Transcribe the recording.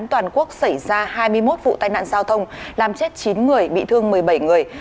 toàn quốc xảy ra hai mươi một vụ tai nạn giao thông làm chết chín người bị thương một mươi bảy người